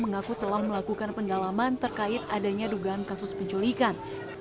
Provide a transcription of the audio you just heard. mengaku telah melakukan pendalaman terkait adanya dugaan kasus penculikan